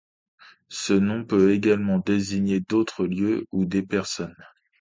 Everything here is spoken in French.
Ce nom peut également désigner d'autres lieux ou des personnes.